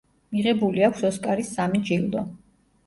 მიღებული აქვს ოსკარის სამი ჯილდო.